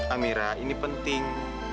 amira ini penting